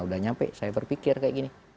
udah nyampe saya berpikir kayak gini